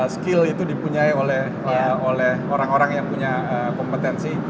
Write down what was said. skill itu dipunyai oleh orang orang yang punya kompetensi